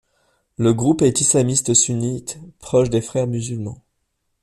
Le groupe est islamiste sunnite, proche des Frères musulmans.